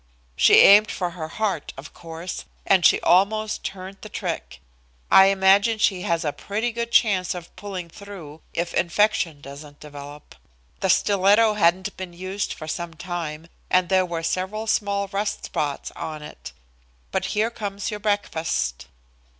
She aimed for her heart, of course, and she almost turned the trick. I imagine she has a pretty good chance of pulling through if infection doesn't develop. The stiletto hadn't been used for some time, and there were several small rust spots on it. But here comes your breakfast."